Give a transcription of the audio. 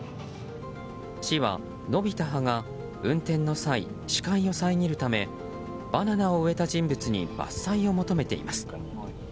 市は、伸びた葉が運転の際視界を遮るためバナナを植えた人物に伐採を求めています。